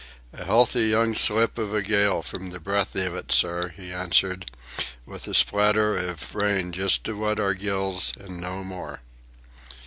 "A healthy young slip of a gale from the breath iv it, sir," he answered, "with a splatter iv rain just to wet our gills an' no more."